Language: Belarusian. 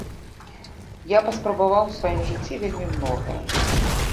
Я паспрабаваў у сваім жыцці вельмі многае.